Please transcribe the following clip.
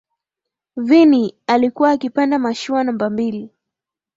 vinnie alikuwa akipanda mashua namba mbili